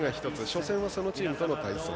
初戦はそのチームとの対戦。